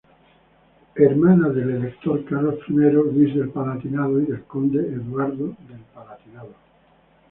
Hermana del elector Carlos I Luis del Palatinado y del conde Eduardo del Palatinado.